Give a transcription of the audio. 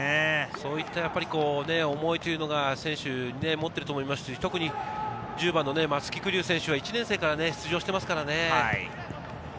そういった思いというのを選手に持っていると思いますし、特に１０番の松木玖生選手は１年生から出場していますからね。